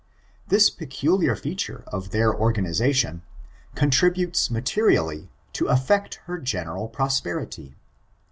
This peculiar feature of their organization con tributes materially to affect her general prosperity.